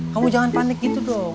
kamu jangan panik gitu dong